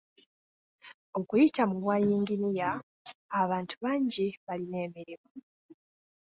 Okuyita mu bwa yinginiya, abantu bangi balina emirimu.